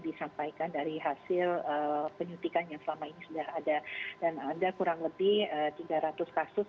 disampaikan dari hasil penyuntikan yang selama ini sudah ada dan ada kurang lebih tiga ratus kasus